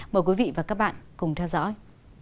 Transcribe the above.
mời quý vị và các bạn cùng theo dõi